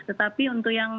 tetapi untuk yang malu